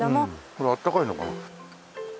これあったかいのかな？